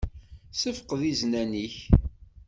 Ssefqed iznan-nnek.